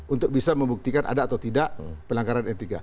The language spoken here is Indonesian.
untuk bisa membuktikan ada atau tidak pelanggaran etika